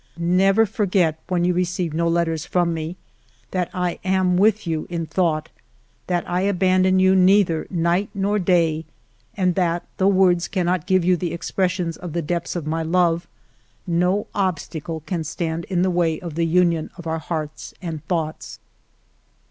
Never forget, when you receive no letters from me, that I am with you in thought, that I abandon you neither night nor day, and that, though words cannot give you the expression of the depths of my love, no obstacle can stand in the way of the union of our hearts and thoughts."